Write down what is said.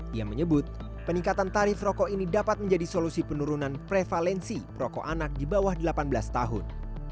dia menyebut peningkatan tarif rokok ini dapat menjadi solusi penurunan prevalensi rokok anak di bawah delapan belas tahun